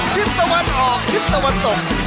ชิ้นตะวันออกชิ้นตะวันตก